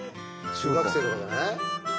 中学生とかじゃない？